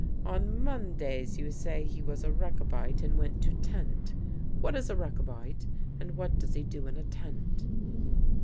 On Mondays, you say, he was a Rechabite and went to tent. What is a Rechabite? And what does he do in a tent?"